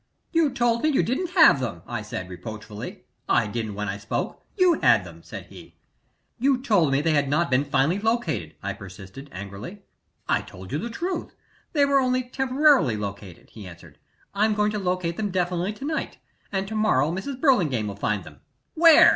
"You told me you didn't have them," I said, reproachfully. "I didn't when I spoke you had them," said he. "You told me they had not been finally located," I persisted, angrily. "I told you the truth. They were only temporarily located," he answered. "I'm going to locate them definitely to night, and to morrow Mrs. Burlingame will find them " "Where?"